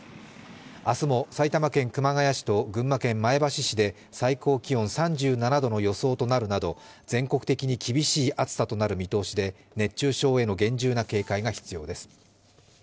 明日も埼玉県熊谷市と群馬県前橋市で最高気温３７度の予想となるなど全国的に厳しい暑さとなる見通しで熱中症への厳重な警戒が必要です。